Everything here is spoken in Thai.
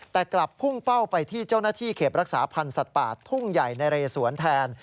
แต่กลับพุ่งเป้าไปที่เจ้าหน้าที่เขตรักษาพันธ์สัตว์ป่าทุ่งใหญ่นะเรสวนแทน